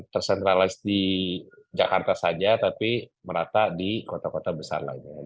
tersentralize di jakarta saja tapi merata di kota kota besar lainnya